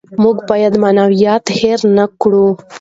موږ باید معنویات هېر نکړو.